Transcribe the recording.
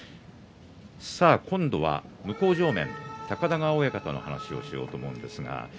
今度は向正面、高田川親方の話をしようと思います。